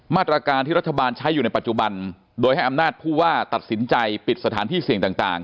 มาตรการที่รัฐบาลใช้อยู่ในปัจจุบันโดยให้อำนาจผู้ว่าตัดสินใจปิดสถานที่เสี่ยงต่าง